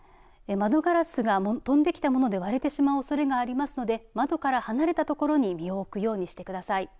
窓ガラスが飛んできたもので割れてしまうおそれがありますので窓から離れた所に身を置くようにしてください。